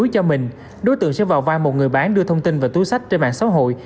đối tượng sẽ vào vai một người bán đưa thông tin và túi sách trên mạng xã hội